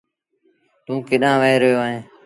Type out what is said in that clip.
توٚنٚ ڪيڏآݩهݩ وهي رهيو اهينٚ؟